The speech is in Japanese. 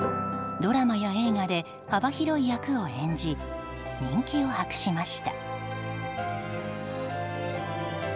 ドラマや映画で幅広い役を演じ人気を博しました。